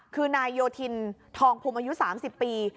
คือนายโยธินทองพุมอายุ๓๐ปี